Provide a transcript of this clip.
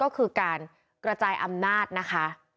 การกระจายอำนาจนะคะ